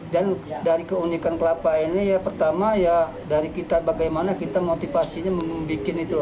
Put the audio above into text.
dan dari keunikan kelapa ini pertama dari kita bagaimana kita motivasinya membuat itu